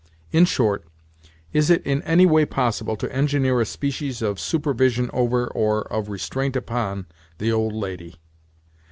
In short, is it in any way possible to engineer a species of supervision over, or of restraint upon, the old lady?